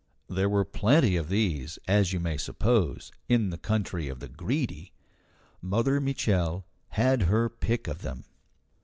There were plenty of these, as you may suppose, in the country of the Greedy; Mother Mitchel had her pick of them.